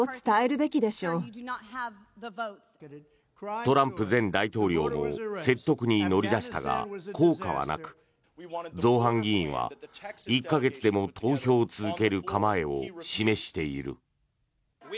トランプ前大統領も説得に乗り出したが効果はなく造反議員は１か月でも投票を続ける構えを示している。